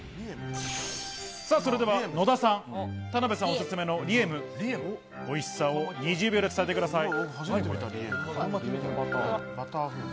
それでは野田さん、田辺さんおすすめの梨恵夢、おいしさを２０秒で伝えてください。